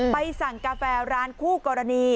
ไปสั่งกาแฟร้านคู่กรณี